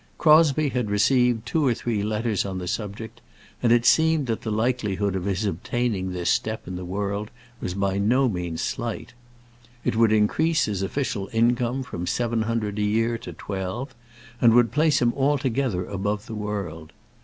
Crosbie had received two or three letters on the subject, and it seemed that the likelihood of his obtaining this step in the world was by no means slight. It would increase his official income from seven hundred a year to twelve, and would place him altogether above the world.